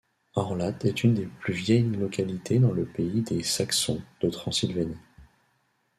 Orlat est une des plus vieilles localités dans le pays des Saxons de Transylvanie.